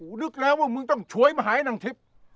กูนึกแล้วว่ามึงจงฉวยมาหาแผงทิพย์